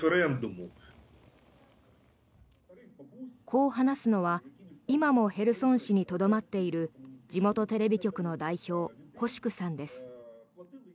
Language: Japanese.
こう話すのは今もヘルソン市にとどまっている地元テレビ局の代表コシュクさんです。